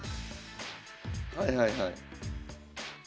はいはいはい。